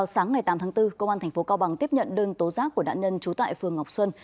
sáng ngày tám tháng bốn công an tp cao bằng tiếp nhận đơn tố giác của nạn nhân trú tại phường ngọc xuân